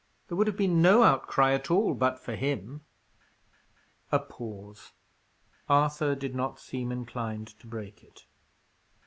There would have been no outcry at all, but for him." A pause. Arthur did not seem inclined to break it.